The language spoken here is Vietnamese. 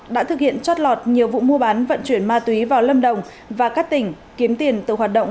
đã thực hiện trót lọt nhiều vụ mua bán vận chuyển ma túy vào lâm đồng và các tỉnh kiếm tiền từ hoạt động